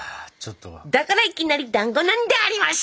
「だからいきなりだんごなんであります！」。